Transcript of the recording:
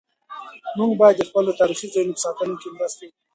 موږ باید د خپلو تاریخي ځایونو په ساتنه کې مرسته وکړو.